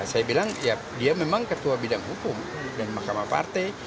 saya bilang ya dia memang ketua bidang hukum dan mahkamah partai